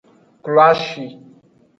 Kloashi.